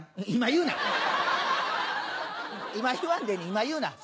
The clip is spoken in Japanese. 今言うなよ。